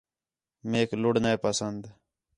میک لُڑھ نے پسند